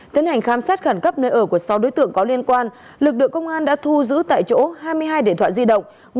tiến hành khám xét khẩn cấp nơi ở của sáu đối tượng có liên quan lực lượng công an đã thu giữ tại chỗ hai mươi hai điện thoại di động